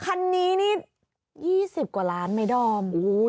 คันนี้นี่๒๐กว่าล้านไหมดอม